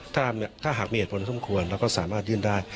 ถ้าหากมีเหตุผลสมควรเราก็สามารถยื่นได้